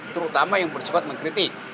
terutama yang bercepat mengkritik